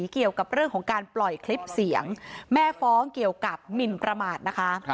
เกี่ยวกับเรื่องของการปล่อยคลิปเสียงแม่ฟ้องเกี่ยวกับหมินประมาทนะคะ